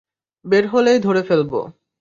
বের হলেই ধরে ফেলব।